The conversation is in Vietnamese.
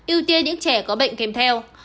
ưu tiên những trẻ có bệnh kèm theo